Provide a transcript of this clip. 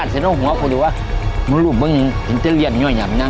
กลับนี้พูดว่าอินเตอรียนะอย่างนั้น